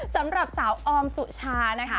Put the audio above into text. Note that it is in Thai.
สำหรับสาวออมสุชานะคะ